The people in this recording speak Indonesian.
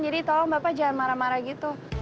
jadi tolong bapak jangan marah marah gitu